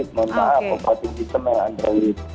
oke mohon maaf aku bawa tinggi semangat android